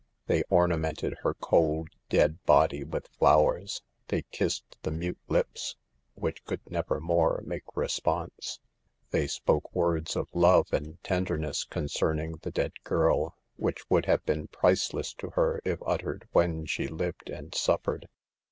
They ornamented her cold, dead body with flowers ; they kissed the mute lips, which could never G 5 98 SAVE THE GIRLS. more make response ; they spoke words of love and tenderness concerning the dead girl, which would have been priceless to her if uttered when she lived and suffered.